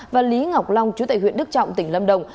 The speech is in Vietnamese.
và lý ngọc long chú tại huyện đức trọng tỉnh lâm đồng